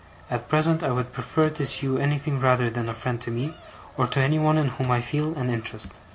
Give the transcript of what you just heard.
At present I would prefer to see you anything rather than a friend, to me, or to anyone in whom I feel an interest.